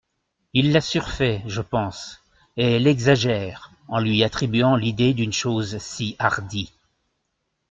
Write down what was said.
Il la surfait, je pense, et l'exagère, en lui attribuant l'idée d'une chose si hardie.